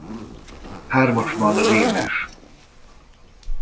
Hármasban rémes.